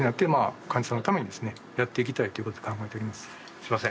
すいません。